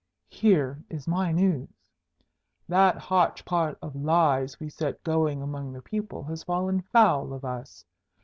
Here is my news. That hotch pot of lies we set going among the people has fallen foul of us.